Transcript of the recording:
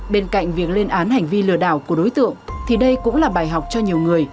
bên cạnh việc lên án hành vi lừa đảo của đối tượng thì đây cũng là bài học cho nhiều người